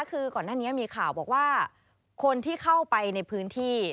คือก่อนหน้านี้มีข่าวบอกว่าคนที่เข้าไปในพื้นที่